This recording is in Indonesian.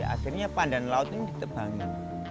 akhirnya pandan laut ini ditebangin